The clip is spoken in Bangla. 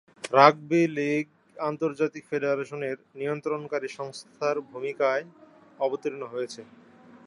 রাগবি লীগ আন্তর্জাতিক ফেডারেশন এর নিয়ন্ত্রণকারী সংস্থার ভূমিকায় অবতীর্ণ হয়েছে।